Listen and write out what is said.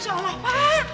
masya allah pak